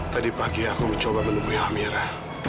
tadi pagi aku mencoba menemui amera